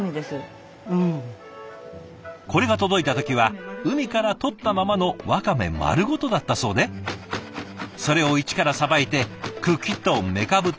これが届いた時は海からとったままのワカメ丸ごとだったそうでそれを一からさばいて茎とメカブとワカメに分けたんだとか。